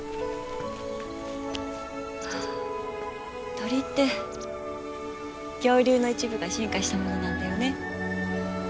鳥って恐竜の一部が進化したものなんだよね。